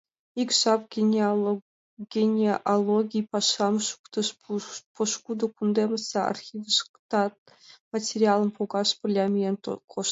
Ик жап генеалогий пашам шуктышт, пошкудо кундемысе архивышкат материалым погаш пырля миен коштыч.